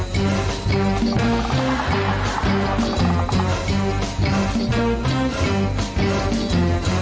เพลง